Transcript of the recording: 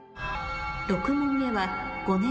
６問目は。